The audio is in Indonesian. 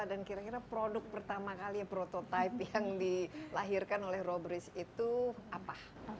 dan kira kira produk pertama kali ya prototype yang dilahirkan oleh robree itu apa